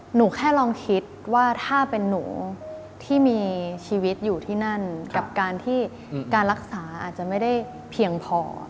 หนูแค่ลองคิดว่าถ้าเป็นหนูที่มีชีวิตอยู่ที่นั่นกับการที่การรักษาอาจจะไม่ได้เพียงพอ